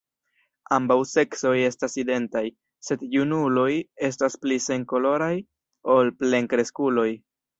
Ambaŭ seksoj estas identaj, sed junuloj estas pli senkoloraj ol plenkreskuloj.